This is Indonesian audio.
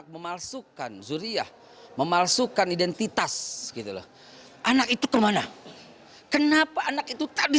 memalsukan suriah memalsukan identitas anak itu kemana kenapa anak itu tadi